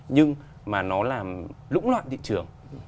nhưng mà nó làm lũng loạn thị trường